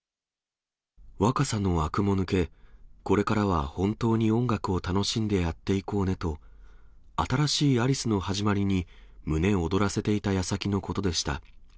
若さのあくも抜け、これからは本当に音楽を楽しんでやっていこうねと、新しいアリスの始まりに胸躍らせていたやさきのことでした。